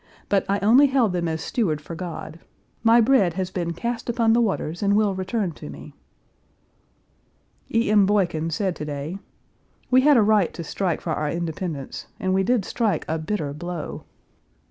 But I only held them as steward for God. My bread has been cast upon the waters and will return to me." E. M. Boykin said to day: "We had a right to strike for our independence, and we did strike a bitter blow.